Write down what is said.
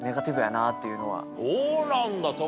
そうなんだ。